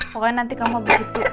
pokoknya nanti kamu begitu